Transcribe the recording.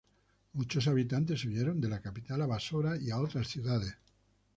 Muchos habitantes huyeron de la capital a Basora y a otras ciudades.